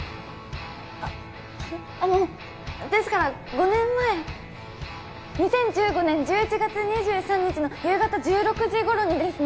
あっあのですから５年前２０１５年１１月２３日の夕方１６時頃にですね